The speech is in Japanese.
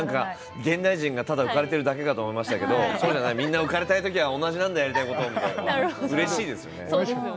現代人がただ浮かれているだけかと思いましたけどみんな浮かれたくなるという気持ちは同じなんだと思うとうれしいですね。